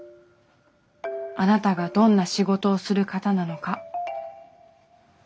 あなたがどんな仕事をする方なのか。